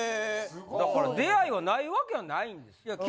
だから出会いはないわけはないんですよ。